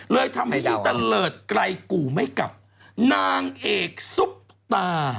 เลยทำให้ยิ่งตะเลิศไกลกู่ไม่กลับนางเอกซุปตา